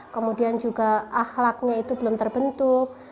kemudian juga ahlaknya itu belum terbentuk